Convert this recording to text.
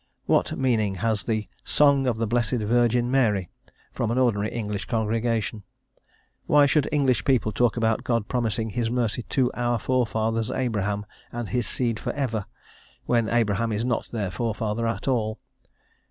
What meaning has the "song of the blessed Virgin Mary" from an ordinary English congregation; why should English people talk about God promising His mercy "to our forefathers, Abraham, and his seed for ever," when Abraham is not their forefather at all?